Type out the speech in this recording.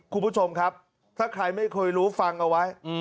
คุณผู้ชมครับถ้าใครไม่เคยรู้ฟังเอาไว้